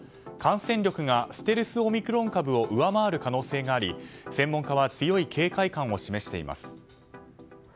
感染力がステルスオミクロン株を上回る可能性があり専門家は強い警戒感を示しています。